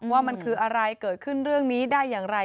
ว่ามันคืออะไรเกิดขึ้นเรื่องนี้ได้อย่างไร